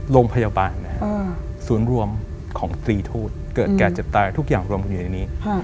โรงพยาบาลนะครับศูนย์รวมของตรีทูตเกิดแก่เจ็บตายทุกอย่างรวมกันอยู่ในนี้